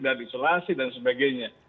dan isolasi dan sebagainya